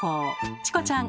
チコちゃん